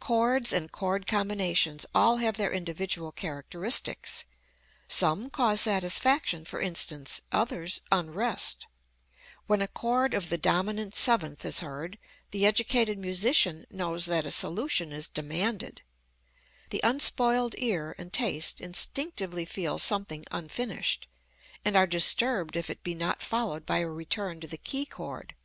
Chords and chord combinations all have their individual characteristics. Some cause satisfaction, for instance, others unrest. When a chord of the dominant seventh is heard, the educated musician knows that a solution is demanded. The unspoiled ear and taste instinctively feel something unfinished, and are disturbed if it be not followed by a return to the key chord.